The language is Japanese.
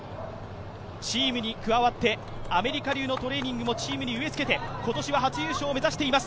チームに加わってアメリカ流のトレーニングもチームに植えつけて今年は初優勝を目指しています。